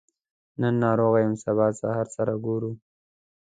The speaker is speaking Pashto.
نن ناروغه يم سبا سهار سره ګورو